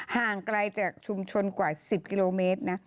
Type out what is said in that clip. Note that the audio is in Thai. ห่างไกลจากชุมชนกว่า๑๐กิโลเมตรนะ